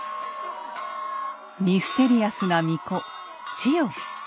ミステリアスな巫女千代。